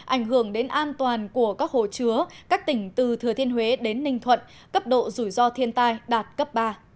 ảnh hưởng đến an toàn của các hồ chứa các tỉnh từ thừa thiên huế đến ninh thuận cấp độ rủi ro thiên tai đạt cấp ba